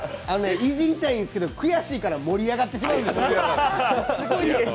いじりたいんですけど、悔しいかな盛り上がってしまうんです。